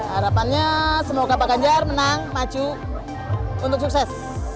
harapannya semoga pak ganjar menang maju untuk sukses